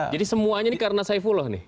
jadi semuanya ini karena saifullah nih